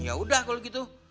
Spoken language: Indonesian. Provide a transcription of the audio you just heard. ya udah kalau gitu